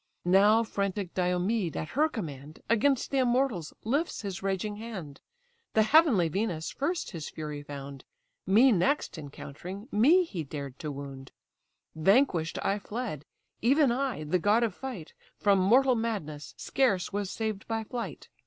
Now frantic Diomed, at her command, Against the immortals lifts his raging hand: The heavenly Venus first his fury found, Me next encountering, me he dared to wound; Vanquish'd I fled; even I, the god of fight, From mortal madness scarce was saved by flight.